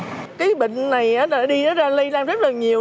cái bệnh này đi ra lây lan rất là nhiều